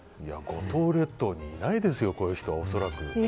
五島列島にいないですよこういう人は、恐らく。